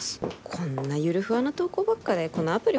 こんなゆるふわな投稿ばっかでこのアプリ